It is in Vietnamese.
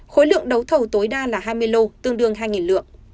khối lượng đấu thầu tối đa là hai mươi lô tương đương hai lượng